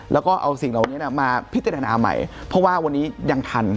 แล้วก็เอาสิ่งเหล่านี้มาพิจารณาใหม่เพราะว่าวันนี้ยังทัน